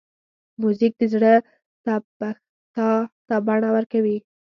موزیک د زړه تپښتا ته بڼه ورکوي.